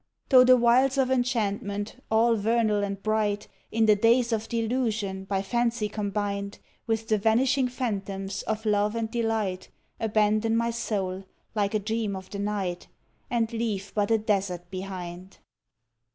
Though the wilds of enchantment, all vernal and bright, In the days of delusion by fancy combined With the vanishing phantoms of love and delight, Abandon my soul, like a dream of the night, And leave but a desert behind.